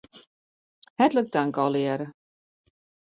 Hertlik tank allegearre.